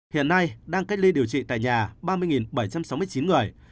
hiện nay đang cách ly điều trị tại nhà ba mươi bảy trăm sáu mươi chín người